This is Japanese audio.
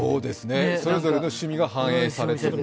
それぞれの趣味が反映されていると。